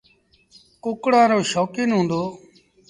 ڪُڪڙآن رو شوڪيٚن هُݩدو۔